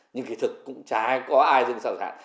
nhưng cái thật cũng chả có ai dâng sao giải hạn